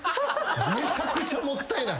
めちゃくちゃもったいない。